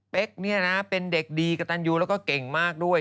เป๊กนี่นะเป็นเด็กดีกับตันยูแล้วก็เก่งมากด้วย